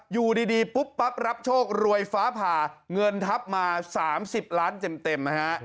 อยู่ดีปุ๊บปั๊บรับโชครวยฟ้าผ่าเงินทับมา๓๐ล้านเต็มนะฮะ